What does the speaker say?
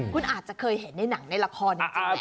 คุณอาจจะเคยเห็นในหนังในละครจริงแหละ